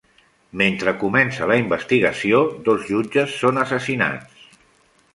Mentre comença la investigació, dos jutges són assassinats.